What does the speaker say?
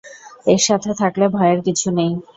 একসাথে থাকলে ভয়ের কিছু নেই।